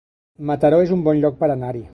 Mataró es un bon lloc per anar-hi